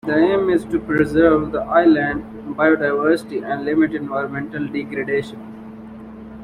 The aim is to preserve the islands biodiversity and limit environmental degradation.